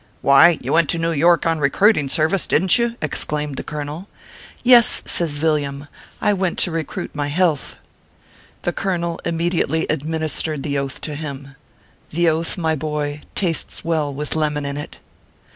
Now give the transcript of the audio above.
Why, you went to New York on recruiting ser vice, didn t you ?" exclaimed the colonel. "Yes," says Villiam, "I went to recruit my health." The colonel immediately administered the Oath to 9 98 ORPHEUS C. KERR PAPERS. him. The Oath, my boy, tastes well with lemon in it.